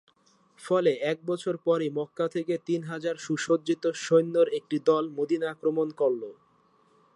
ফলে এক বছর পরই মক্কা থেকে তিন হাজার সুসজ্জিত সৈন্যের একটি দল মদীনা আক্রমণ করলো।